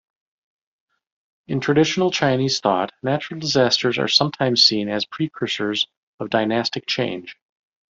In traditional Chinese thought, natural disasters are sometimes seen as precursors of dynastic change.